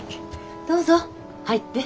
どうぞ入って。